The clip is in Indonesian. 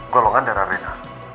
golongan darah rena